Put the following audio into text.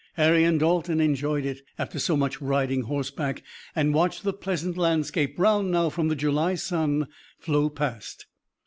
Harry and Dalton enjoyed it, after so much riding horseback, and watched the pleasant landscape, brown now from the July sun, flow past.